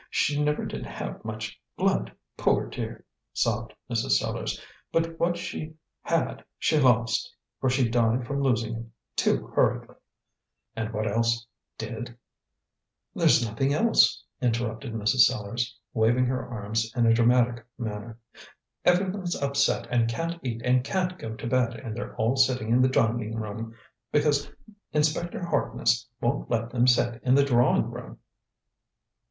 She never did have much blood, poor dear!" sobbed Mrs. Sellars; "but what she had she lost, for she died from losing it, too hurriedly." "And what else did " "There's nothing else," interrupted Mrs. Sellars, waving her arms in a dramatic manner. "Everyone's upset and can't eat and can't go to bed, and they're all sitting in the dining room, because Inspector Harkness won't let them sit in the drawing room."